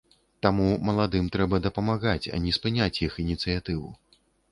Таму маладым трэба дапамагаць, а не спыняць іх ініцыятыву.